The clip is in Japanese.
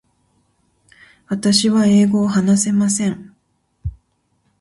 私は英語を話せません。